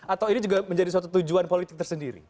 atau ini juga menjadi suatu tujuan politik tersendiri